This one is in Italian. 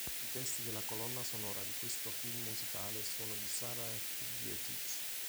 I testi della colonna sonora di questo film musicale sono di Sarah F. Dietrich.